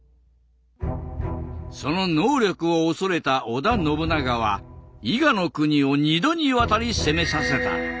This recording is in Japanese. その能力を恐れた織田信長は伊賀の国を２度にわたり攻めさせた。